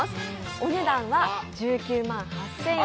お値段は１９万８０００円。